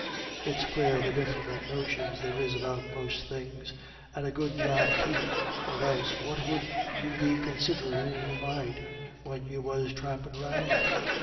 It's quare the diff'rint notions there is about most things. And a good job too, or else what would you be considherin' in your mind, when you was thrampin' around?